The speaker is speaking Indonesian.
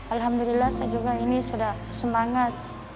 alhamdulillah saya juga ini sudah semangat